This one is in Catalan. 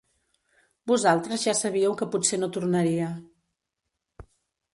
Vosaltres ja sabíeu que potser no tornaria.